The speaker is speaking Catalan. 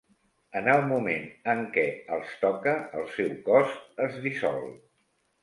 En el moment en què els toca, el seu cos es dissol.